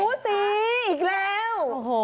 ซูซีอีกแล้ว